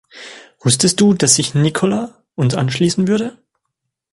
Wusstest du, dass sich Nikola uns anschließen würde?